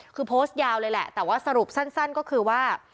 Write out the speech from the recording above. คือโพสต์ยาวเลยแหละแต่ว่าสรุปสั้นก็คือว่า